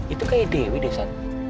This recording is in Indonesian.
itu kayak dewi deh sat